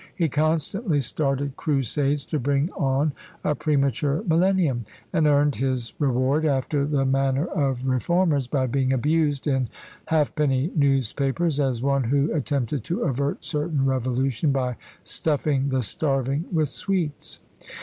He constantly started crusades to bring on a premature millennium, and earned his reward, after the manner of reformers, by being abused in halfpenny newspapers as one who attempted to avert certain revolution, by stuffing the starving with sweets.